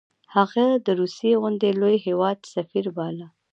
هغه د روسیې غوندې لوی هیواد سفیر باله.